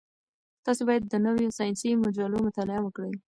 تاسي باید د نویو ساینسي مجلو مطالعه وکړئ.